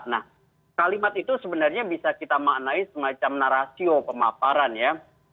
nah kalimat itu sebenarnya bisa kita maknai semacam narasio pemaparan ya